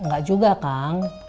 gak juga kang